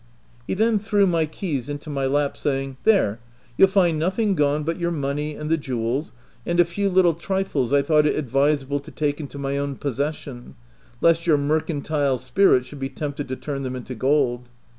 He then threw my keys into my lap, saying, — Cl There ! you'll find nothing gone but your money, and the jewels — and a few little trifles I thought it advisable to take into my own possession, lest your mercantile spirit should be tempted to turn them into gold.